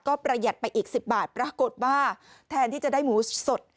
ก็ประหยัดไปอีก๑๐บาทปรากฏว่าแทนที่จะได้หมูสด